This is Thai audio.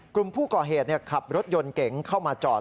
กลุ่มผู้ก่อเหตุขับรถยนต์เก๋งเข้ามาจอด